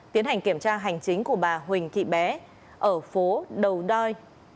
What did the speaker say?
tiến hành kiểm tra hành chính của bà huỳnh kỵ bé ở phố đầu doi